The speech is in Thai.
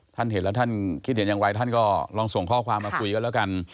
ท่านเห็นแล้วท่านคิดเห็นอย่างไรท่านก็ลองส่งข้อความมาคุยกันแล้วกัน